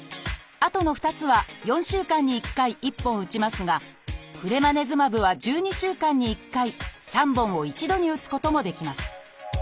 あとの２つは４週間に１回１本打ちますがフレマネズマブは１２週間に１回３本を一度に打つこともできます。